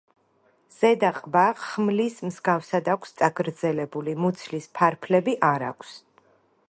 ზედა ყბა ხმლის მსგავსად აქვს წაგრძელებული, მუცლის ფარფლები არ აქვს.